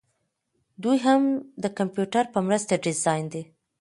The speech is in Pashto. دوهم د کمپیوټر په مرسته ډیزاین دی.